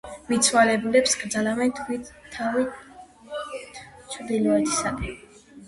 მიცვალებულებს კრძალავდნენ თავით ჩრდილოეთისკენ.